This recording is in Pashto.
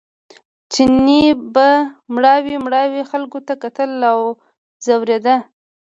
چیني به مړاوي مړاوي خلکو ته کتل او ځورېده.